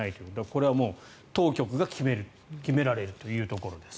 これは当局が決められるというところです。